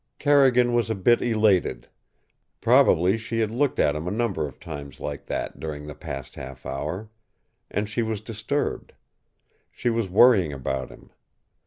Carrigan was a bit elated. Probably she had looked at him a number of times like that during the past half hour. And she was disturbed. She was worrying about him.